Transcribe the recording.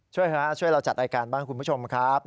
ช่วยฮะช่วยเราจัดรายการบ้างคุณผู้ชมครับ